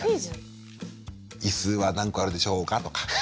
「椅子は何個あるでしょうか？」とか。